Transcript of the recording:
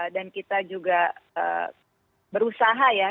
dan kita juga berusaha ya